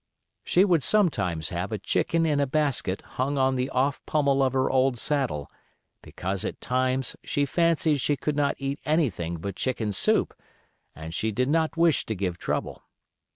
She would sometimes have a chicken in a basket hung on the off pummel of her old saddle, because at times she fancied she could not eat anything but chicken soup, and she did "not wish to give trouble."